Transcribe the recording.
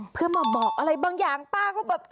เพื่อมาบอกอะไรบางอย่างป้าก็แบบ